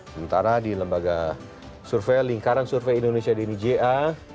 sementara di lembaga survei lingkaran survei indonesia dini ja